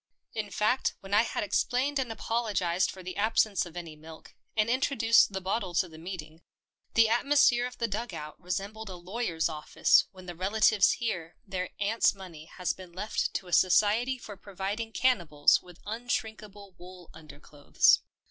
In fact, when I had ex plained and apologised for the absence of any milk, and introduced the bottle to the meeting, the atmosphere of the dug out resembled a lawyer's office when the relatives hear their aunt's money has been left to a society for 158 THE PEPNOTISED MILK providing cannibals with unshrinkable wool underclothes.